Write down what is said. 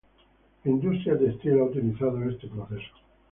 La industria textil ha utilizado este proceso.